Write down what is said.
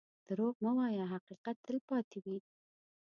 دروغ مه وایه، حقیقت تل پاتې وي.